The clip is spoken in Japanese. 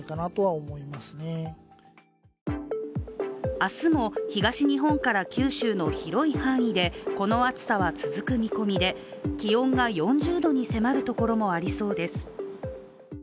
明日も東日本から九州の広い範囲でこの暑さは続く見込みで気温が４０度に迫るところもありそうです。